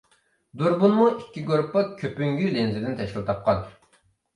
دۇربۇنمۇ ئىككى گۇرۇپپا كۆپۈنگۈ لېنزىدىن تەشكىل تاپقان.